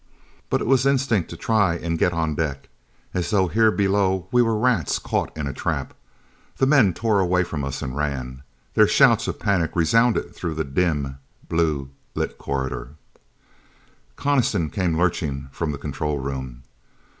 But it was instinct to try and get on deck, as though here below we were rats caught in a trap. The men tore away from us and ran. Their shouts of panic resounded through the dim, blue lit corridors. Coniston came lurching from the control room.